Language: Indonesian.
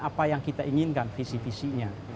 apa yang kita inginkan visi visinya